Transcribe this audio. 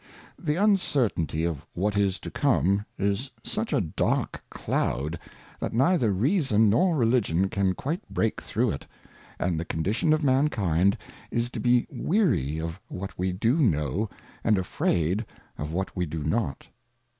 The Uncertainty of what is to come, is suc h a dark Cloud, that npJtliPrR.pasnn nnrjie hgion can quite break through it ; and~ the Condi tion" of Mankind is to be weary of wL a t we An kn ow» and afraid of wha t we do not.